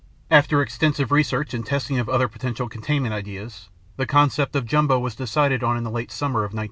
After extensive research and testing of other potential containment ideas, the concept of Jumbo was decided on in the late summer of 1944.